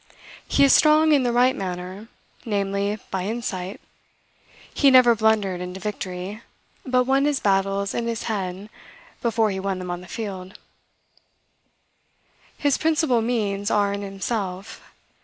He is strong in the right manner, namely, by insight. He never blundered into victory, but won his battles in his head, before he won them on the field. His principal means are in himself.